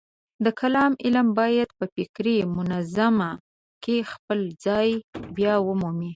د کلام علم باید په فکري منظومه کې خپل ځای بیامومي.